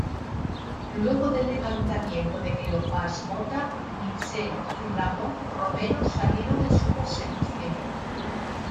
Luego del levantamiento de Cleofás Mota, Michel y Ramón Romero salieron en su persecución.